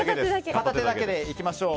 片手だけで行きましょう。